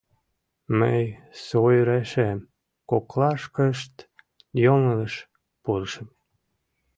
— Мый, сойырешем, коклашкышт йоҥылыш пурышым...